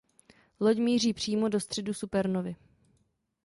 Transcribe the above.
Loď míří přímo do středu supernovy.